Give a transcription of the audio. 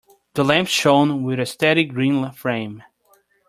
The lamp shone with a steady green flame.